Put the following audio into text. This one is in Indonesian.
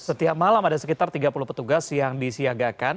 setiap malam ada sekitar tiga puluh petugas yang disiagakan